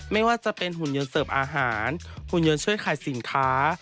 ไม่ว่าจะเป็นหุ่นยนต์เสิร์ฟอาหารหุ่นยนต์ช่วยขายสินค้า